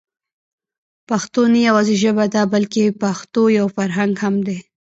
پښتو نه يوازې ژبه ده بلکې پښتو يو فرهنګ هم دی.